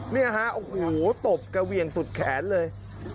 เนี่ยฮะโอ้โหตบกระเหวี่ยงสุดแขนเลย